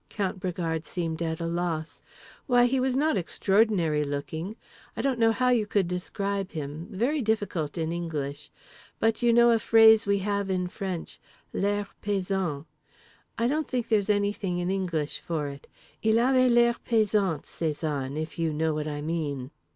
Count Bragard seemed at a loss. "Why he was not extraordinary looking. I don't know how you could describe him. Very difficult in English. But you know a phrase we have in French, 'l'air pesant'; I don't think there's anything in English for it; il avait l'air pesant, Cézanne, if you know what I mean.